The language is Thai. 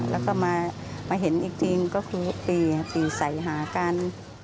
แล้วก็มาเห็นอีกทีก็คือตีใส่หากัน